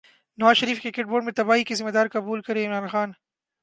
نواز Sharif cricket board میں تباہی کی ذمہ داری قبول کریں عمران خان